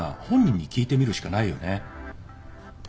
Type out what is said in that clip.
本人に聞いてみるしかないよね。